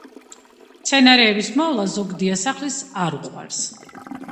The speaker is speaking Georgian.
მცენარეების მოვლა ზოგ დიასახლისს არ უყვარს.